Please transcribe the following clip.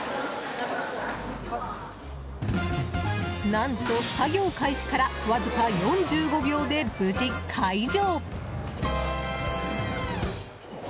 何と、作業開始からわずか４５秒で無事解錠。